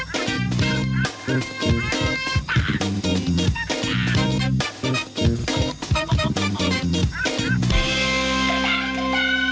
โปรดติดตามตอนต่อไป